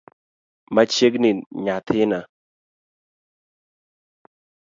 Machiegni nyathina.